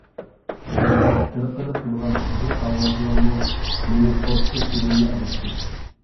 بەزىدە تىرىققىدە قىلغان بىر ئاۋازلارمۇ مېنى قورقۇتۇپ جېنىمنى ئالاتتى.